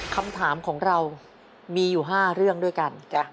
คำถามของเรามีอยู่๕เรื่องด้วยกัน